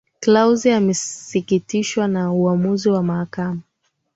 clause amesitikishwa na uamuzi wa mahakama